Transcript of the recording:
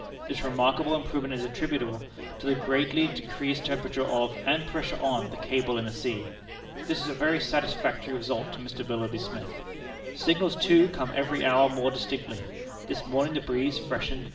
This remarkable improvement is attributable to the greatly decreased temperature of, and pressure on, the cable in the sea. This is a very satisfactory result to Mr. Willoughby Smith. Signals, too, come every hour more distinctly. This morning the breeze freshened.